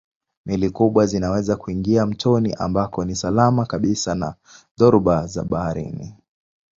Meli kubwa zinaweza kuingia mtoni ambako ni salama kabisa na dhoruba za baharini.